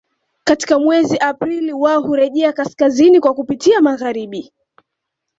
Katika mwezi Aprili wao hurejea kaskazini kwa kupitia magharibi